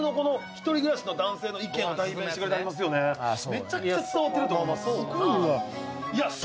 めちゃくちゃ伝わってると思います。